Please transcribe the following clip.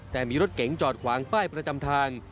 แต่มีรถเก๋งจอดขวางป้ายประจำทาง